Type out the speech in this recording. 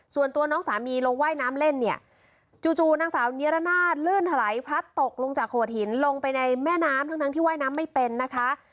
ส่วนตัวน้องสามีลงว่ายน้ำเล่นเนี่ยจู่นางสาวนิรนาศลื่นถลายพลัดตกลงจากโขดหินลงไปในแม่น้ำทั้งที่ว่ายน้ำไม่เป็นนะคะ